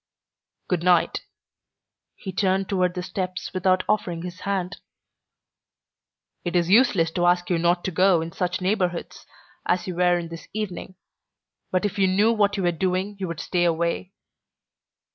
"Good night." He turned toward the steps without offering his hand. "It is useless to ask you not to go in such neighborhoods as you were in this evening, but if you knew what you were doing you would stay away."